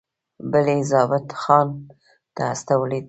بل یې ضابطه خان ته استولی دی.